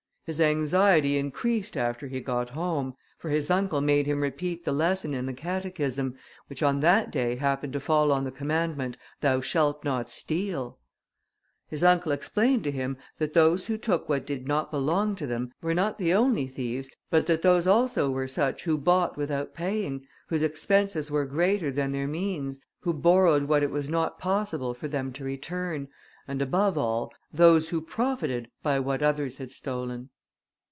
His anxiety increased after he got home, for his uncle made him repeat the lesson in the catechism, which on that day happened to fall on the commandment, "Thou shalt not steal." His uncle explained to him that those who took what did not belong to them, were not the only thieves, but that those also were such who bought without paying, whose expenses were greater than their means, who borrowed what it was not possible for them to return, and above all, those who profited by what others had stolen.